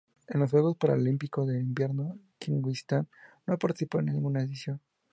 En los Juegos Paralímpicos de Invierno Kirguistán no ha participado en ninguna edición.